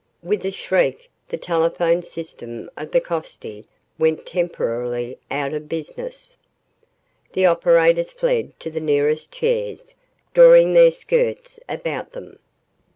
With a shriek, the telephone system of the Coste went temporarily out of business. The operators fled to the nearest chairs, drawing their skirts about them.